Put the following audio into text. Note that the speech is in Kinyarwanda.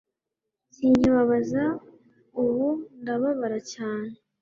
Sinkibabaza ubu ndababara cyane